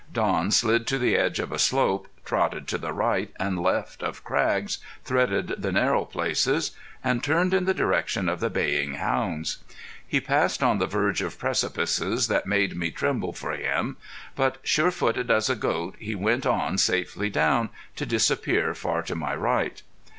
Don slid to the edge of a slope, trotted to the right and left of crags, threaded the narrow places, and turned in the direction of the baying hounds. He passed on the verge of precipices that made me tremble for him; but sure footed as a goat, he went on safely down, to disappear far to my right.